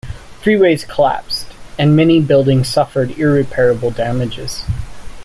Freeways collapsed, and many buildings suffered irreparable damages.